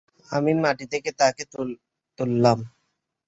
আমি মাটি থেকে তাকে তুললাম।